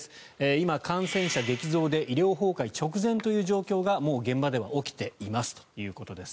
今、感染者激増で医療崩壊直前という状況がもう現場では起きていますということです。